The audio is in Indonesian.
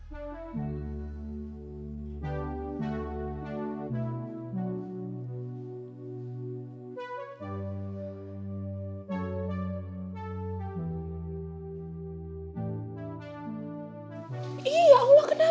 sampai jumpa di video selanjutnya